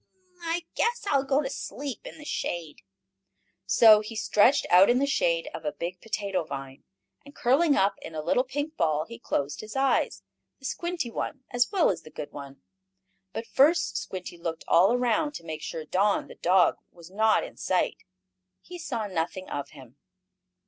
I guess I will go to sleep in the shade." So he stretched out in the shade of a big potato vine, and, curling up in a little pink ball, he closed his eyes, the squinty one as well as the good one. But first Squinty looked all around to make sure Don, the dog, was not in sight. He saw nothing of him.